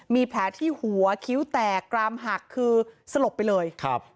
มีแผลที่หัวคิ้วแตกกรามหักคือสลบไปเลยครับ